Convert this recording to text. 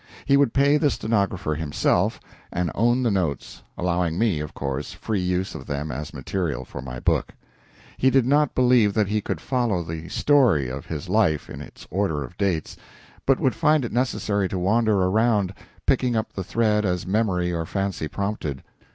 He would pay the stenographer himself, and own the notes, allowing me, of course, free use of them as material for my book. He did not believe that he could follow the story of his life in its order of dates, but would find it necessary to wander around, picking up the thread as memory or fancy prompted.